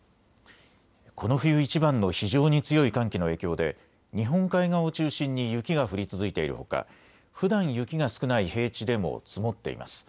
この冬いちばんの非常に強い寒気の影響で日本海側を中心に雪が降り続いているほかふだん雪が少ない平地でも積もっています。